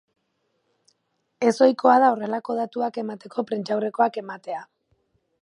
Ez ohikoa da horrelako datuak emateko prentsaurrekoak ematea.